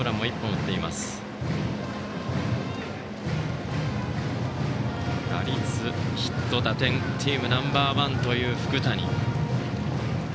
打率、ヒット、打点チームナンバー１という福谷。